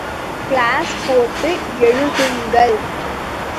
Class போட்டு எழுதுங்கள்.